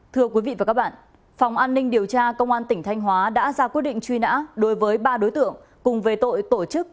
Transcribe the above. thưa quý vị và các bạn phòng an ninh điều tra công an tỉnh thanh hóa đã ra quyết định truy nã đối với ba đối tượng cùng về tội tổ chức